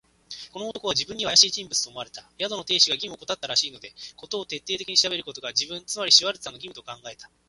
この男は自分にはあやしい人物と思われた。宿の亭主が義務をおこたったらしいので、事を徹底的に調べることが、自分、つまりシュワルツァーの義務と考えた。